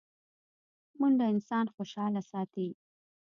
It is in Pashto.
منډه انسان خوشحاله ساتي